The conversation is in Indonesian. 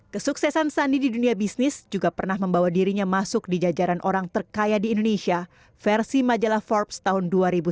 kesuksesan sandi di dunia bisnis juga pernah membawa dirinya masuk di jajaran orang terkaya di indonesia versi majalah forbes tahun dua ribu sepuluh